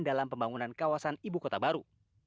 dalam pembangunan kawasan ibu kota baru